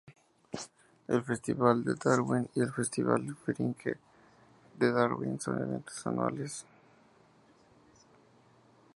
El Festival de Darwin y el Festival Fringe de Darwin son eventos anuales.